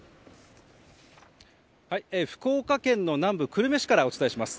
福岡県の南部久留米市からお伝えします。